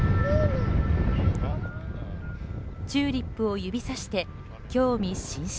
チューリップを指さして興味津々。